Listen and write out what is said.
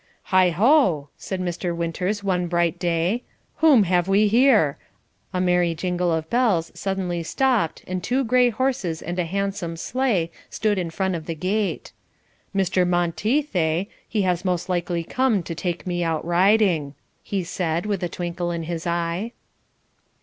"Heigh ho!" said Mr. Winters one bright day, "whom have we here?" A merry jingle of bells suddenly stopped and two gray horses and a handsome sleigh stood in front of the gate. "Mr. Monteith, eh? He has most likely come to take me out riding," he said, with a twinkle in his eye.